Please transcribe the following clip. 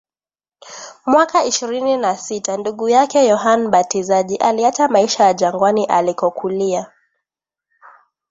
Mwaka ishirini na sita ndugu yake Yohane Mbatizaji aliacha maisha ya jangwani alikokulia